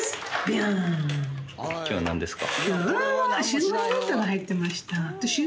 今日は何ですか？